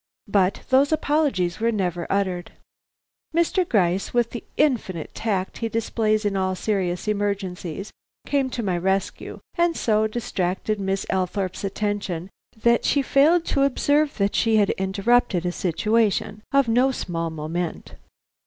But those apologies were never uttered. Mr. Gryce, with the infinite tact he displays in all serious emergencies, came to my rescue, and so distracted Miss Althorpe's attention that she failed to observe that she had interrupted a situation of no small moment.